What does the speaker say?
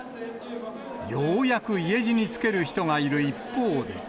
ようやく家路につける人がいる一方で。